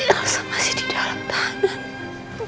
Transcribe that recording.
elsa masih di dalam tangan